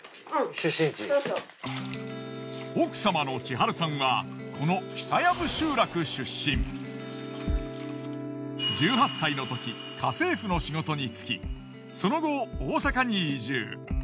奥様の千春さんはこの１８歳のとき家政婦の仕事に就きその後大阪に移住。